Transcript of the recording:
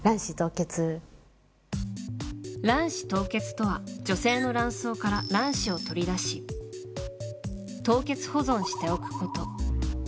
卵子凍結とは女性の卵巣から卵子を取り出し凍結保存しておくこと。